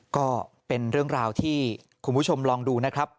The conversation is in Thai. ก็เป็นเรื่องราวที่คุณผู้ชมลองดูนะครับ